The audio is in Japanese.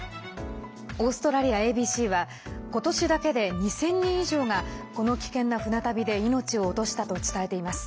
オーストラリアＡＢＣは今年だけで２０００人以上がこの危険な船旅で命を落としたと伝えています。